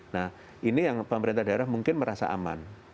nah ini yang pemerintah daerah mungkin merasa aman